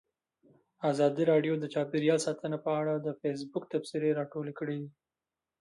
ازادي راډیو د چاپیریال ساتنه په اړه د فیسبوک تبصرې راټولې کړي.